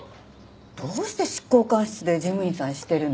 どうして執行官室で事務員さんしているの？